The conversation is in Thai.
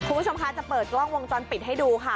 คุณผู้ชมคะจะเปิดกล้องวงจรปิดให้ดูค่ะ